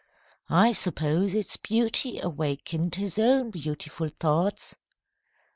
I suppose its beauty awakened his own beautiful thoughts."